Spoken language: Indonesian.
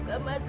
gapa' acara ini